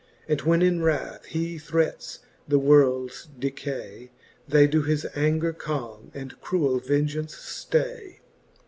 And when in wrath he threats the world's decay. They doe his anger calme, and cruell vengeance ftay.